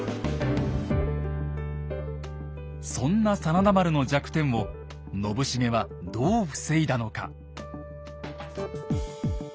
そんな真田丸の弱点を信繁はどう防いだのか。